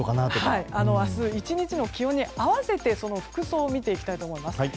明日の１日の気温に合わせてその服装を見ていきたいと思います。